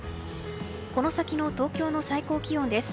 この先の東京の最高気温です。